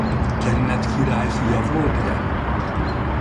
Kenneth király fia volt-e?